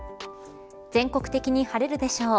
全国的に晴れるでしょう。